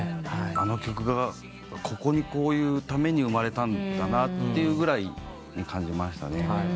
あの曲がここにこういうために生まれたんだってぐらいに感じましたね。